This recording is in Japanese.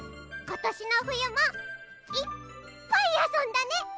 ことしのふゆもいっぱいあそんだね！